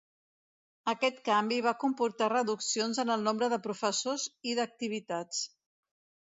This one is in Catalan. Aquest canvi va comportar reduccions en el nombre de professors i d'activitats.